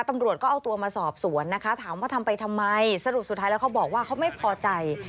ตำรวจก็เอาตัวมาสอบสวนนะคะถามว่าทำไปทำไมสรุปสุดท้ายแล้วเขาบอกว่าเขาไม่พอใจ